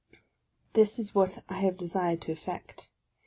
This is what I have desired to effect.